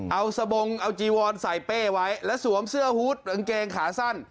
เอาสบงเอาจีวอนใส่เป้ไว้แล้วสวมเสื้อฮูตกางเกงขาสั้น